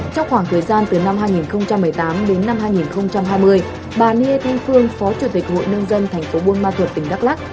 trong khoảng thời gian từ năm hai nghìn một mươi tám đến năm hai nghìn hai mươi bà niê thanh phương phó chủ tịch hội nông dân thành phố buôn ma thuật tỉnh đắk lắc